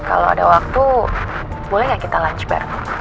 kalau ada waktu boleh nggak kita lunch bar